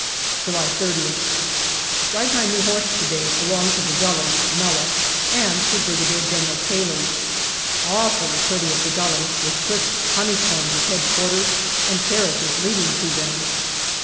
July 30th. Ride my new horse to day along to the gully (nullah) and see Brigadier General Cayley. Awfully pretty at the gully, with cliffs honey combed with H.Q. and terraces leading to them.